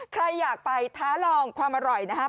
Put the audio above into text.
ใครอยากไปท้าลองความอร่อยนะครับ